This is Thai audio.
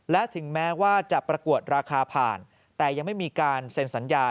และถึงแม้ว่าจะประกวดราคาผ่านแต่ยังไม่มีการเซ็นสัญญา